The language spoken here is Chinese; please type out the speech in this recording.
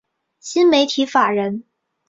新媒体法人